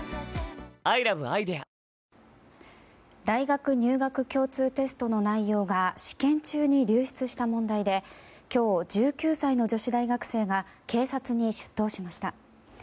大学入学共通テストの内容が試験中に流出した問題で今日１９歳の女子大学生が警察に出頭しました。